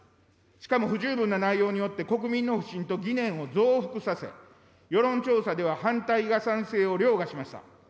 しかも不十分な内容によって国民の不信と疑念を増幅させ、世論調査では反対が賛成をりょうがしました。